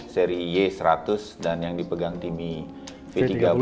seri y seratus dan yang dipegang timi v tiga puluh